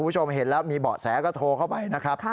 คุณผู้ชมเห็นแล้วมีเบาะแสก็โทรเข้าไปนะครับ